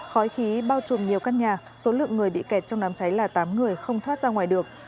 khói khí bao trùm nhiều căn nhà số lượng người bị kẹt trong đám cháy là tám người không thoát ra ngoài được